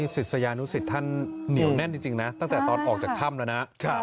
ศิษยานุสิตท่านเหนียวแน่นจริงนะตั้งแต่ตอนออกจากถ้ำแล้วนะ